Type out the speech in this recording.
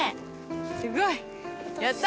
すごいやった！